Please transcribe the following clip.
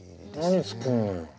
何作るのよ？